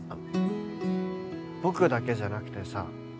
僕だけじゃなくてさ